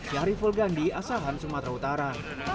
syahriful gandhi asahan sumatera utara